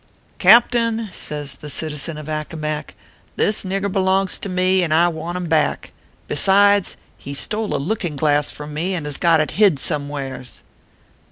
" Captain," says the citizen of Accomac, " this nigger belongs to me, and I want him back. Besides, he stole a looking glass from me, and has got it hid somewheres."